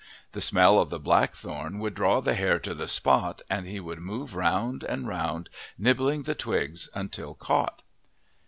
The smell of the blackthorn would draw the hare to the spot, and he would move round and round nibbling the twigs until caught.